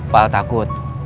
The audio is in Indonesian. pak al takut